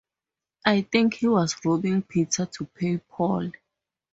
I think he was robbing Peter to pay Paul.